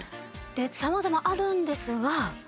さまざまあるんですが。